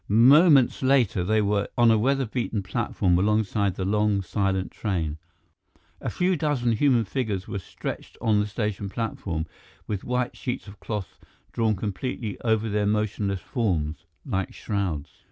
Moments later, they were on a weather beaten platform alongside the long, silent train. A few dozen human figures were stretched on the station platform, with white sheets of cloth drawn completely over their motionless forms, like shrouds.